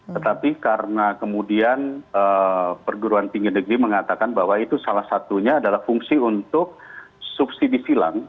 tetapi karena kemudian perguruan tinggi negeri mengatakan bahwa itu salah satunya adalah fungsi untuk subsidi silang